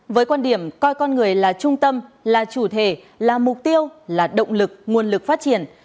với quan điểm coi con người là trung tâm là chủ thể là mục tiêu là động lực nguồn lực phát triển